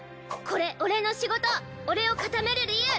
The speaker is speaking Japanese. これ俺の仕事俺を固める理由！